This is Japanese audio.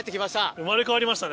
生まれ変わりましたね。